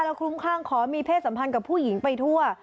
แล้วคลุ้มข้างขอมีเพศสัมพันธ์กับผู้หญิงไปทั่ว